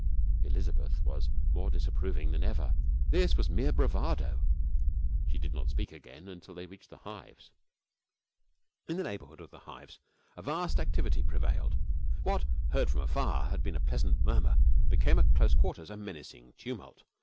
Elizabeth was more disapproving than ever. This was mere bravado. She did not speak again until they reached the hives. In the neighbourhood of the hives a vast activity prevailed. What, heard from afar, had been a pleasant murmur became at close quarters a menacing tumult.